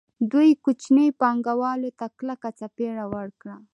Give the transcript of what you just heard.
دوی کوچنیو پانګوالو ته کلکه څپېړه ورکړه